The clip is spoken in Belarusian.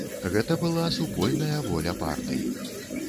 Гэта была супольная воля партый.